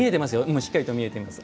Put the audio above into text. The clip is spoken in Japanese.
今しっかりと見えています。